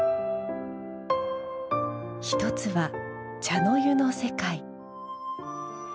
一つは茶の湯の世界。